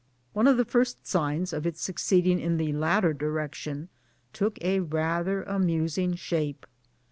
One of the first signs of its succeed ing in the latter direction took a rather amusing shape.